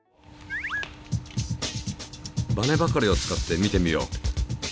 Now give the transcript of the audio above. バネばかりを使って見てみよう。